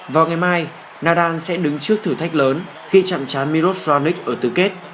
vào ngày mai nadal sẽ đứng trước thử thách lớn khi chặn chán miros raunich ở tứ kết